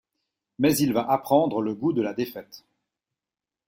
Mais il va apprendre le goût de la défaite.